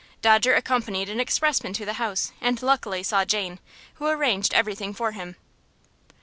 Dodger accompanied an expressman to the house, and luckily saw Jane, who arranged everything for him.